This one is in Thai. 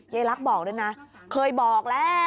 เยยลุกบอกเลยนะเคยบอกแล้ว